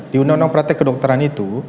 di undang undang praktek kedokteran itu